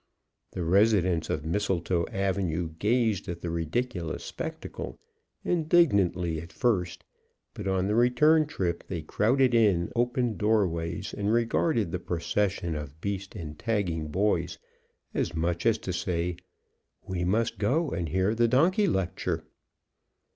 The residents of Mistletoe Avenue gazed at the ridiculous spectacle, indignantly at first; but on the return trip they crowded in open door ways and regarded the procession of beast and tagging boys, as much as to say, "We must go and hear the donkey lecture."